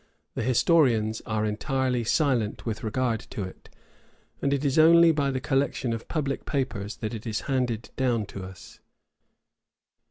The historians are entirely silent with regard to it; and it is only by the collection of public papers that it is handed down to us.